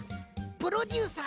プロデューサー？